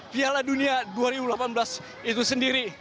piala dunia dua ribu delapan belas itu sendiri